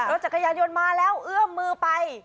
รถจักรยานยนต์มาแล้วเอื้อมมือไป